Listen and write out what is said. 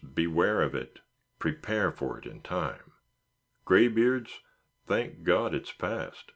beware of it; prepare for it in time. Graybeards! thank God it is passed.